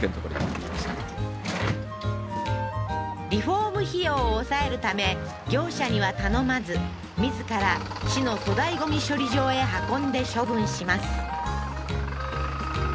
リフォーム費用を抑えるため業者には頼まず自ら市の粗大ゴミ処理場へ運んで処分します